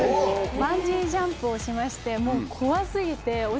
バンジージャンプをしましてもう怖過ぎて。